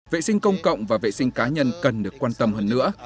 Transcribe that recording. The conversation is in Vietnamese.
vệ sinh công cộng và vệ sinh cá nhân cần được quan tâm hơn nữa